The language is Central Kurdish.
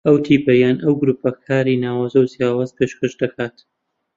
ئەو تیپە یان ئەو گرووپە کاری ناوازە و جیاواز پێشکەش دەکات